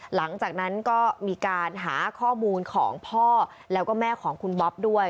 หลังจากนั้นก็มีการหาข้อมูลของพ่อแล้วก็แม่ของคุณบ๊อบด้วย